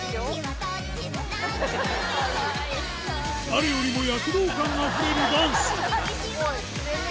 誰よりも躍動感あふれるダンス。